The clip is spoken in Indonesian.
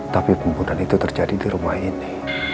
tapi pembunuhan itu terjadi di rumah ini